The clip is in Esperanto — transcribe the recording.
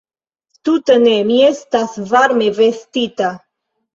Tute ne, mi estas varme vestita.